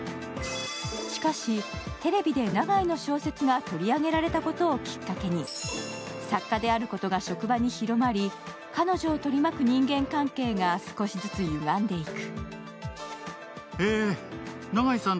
しかし、テレビで長井の小説が取り上げられたことをきっかけに、作家であることが職場に広まり、彼女を取り巻く人間関係が少しずつ歪んでいく。